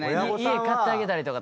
家買ってあげたりとか。